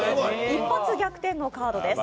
一発逆転のカードです。